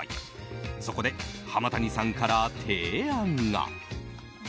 そこで浜谷さんから提案が。